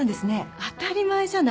当たり前じゃない。